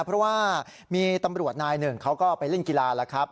เพราะว่ามีตำรวจนายหนึ่งเขาก็ไปเล่นกีฬาแล้วครับ